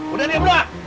udah diam dong